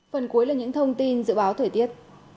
phần cuối là những thông tin dự báo thời tiết